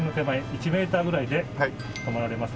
１メーターぐらいで止まられますので。